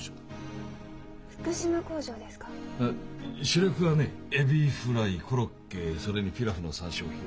主力はねエビフライコロッケそれにピラフの３商品。